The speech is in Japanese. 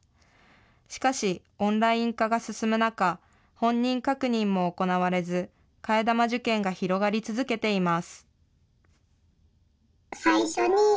しかし、オンライン化が進む中、本人確認も行われず、替え玉受検が広がり続けています。